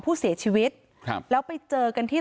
ผู้เสียชีวิตครับแล้วไปเจอกันที่